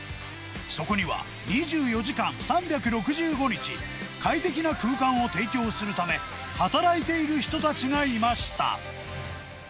そこには、２４時間３６５日、快適な空間を提供するため、働いている人たちがいました。